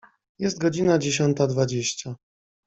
Jest godzina dziesiąta dwadzieścia.